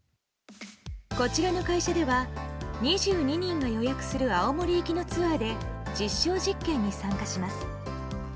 こちらの会社では２２人が予約する青森行きのツアーで実証実験に参加します。